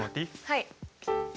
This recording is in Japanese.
はい。